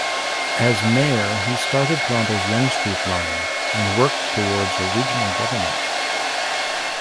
As mayor he started Toronto's Yonge Street line and worked towards a regional government.